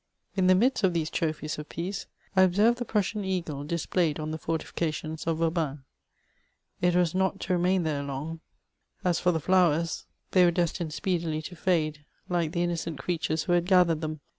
In the midst of these toophies of peace, I ohserved the Fnissian ea^e displayed on the fbrtaficatioiis of Vanban: it was not to remain tnere long ; as for the flowers, they were des* tined speedily to fade, like the innocent creatmres who had gathered diem.